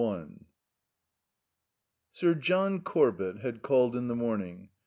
IX 1 Sir John Corbett had called in the morning.